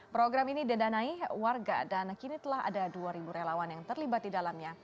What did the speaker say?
program ini didanai warga dan kini telah ada dua relawan yang terlibat di dalamnya